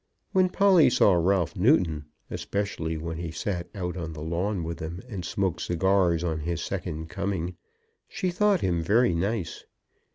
When Polly saw Ralph Newton, especially when he sat out on the lawn with them and smoked cigars on his second coming, she thought him very nice.